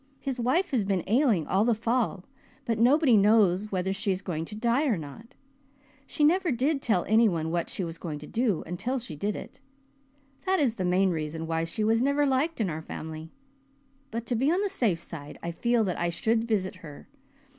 His wife has been ailing all the fall, but nobody knows whether she is going to die not. She never did tell anyone what she was going to do until she did it. That is the main reason why she was never liked in our family. But to be on the safe side I feel that I should visit her.